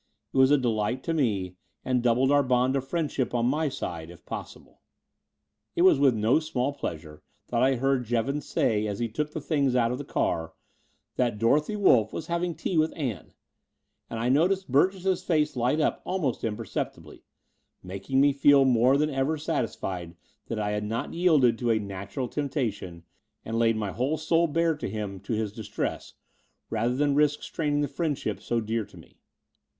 It was a ddight to me, and doubled our bond of friendship on my side — if possible. << €t 138 The Door of the Unreal III It was with no small pleasure that I heard Jevons say, as he took the things out of the car, that Dorothy Wolff was having tea with Ann; and I noticed Burgess's face light up almost impercep tibly, making me feel more than ever satisfied that I had not yielded to a natural temptation and laid my whole soul bare to him to his distress, rather than risk straining the friendship so dear to me.